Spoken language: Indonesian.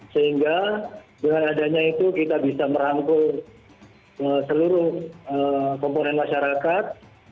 sehingga dengan adanya itu kita bisa merangkul seluruh komponen masyarakat